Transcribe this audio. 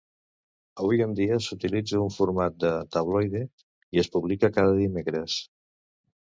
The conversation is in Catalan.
Avui en dia s'utilitza un format de tabloide i es publica cada dimecres.